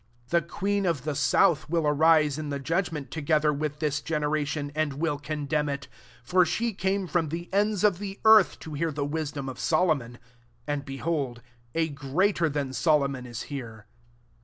43 The queen of the south will arise in the Judgment together with this generatkm, and will condemn h: for slie came from the ends of the eardt to hear the wisdom of Sermon ; and, behold, a greater than So* lomon iB here.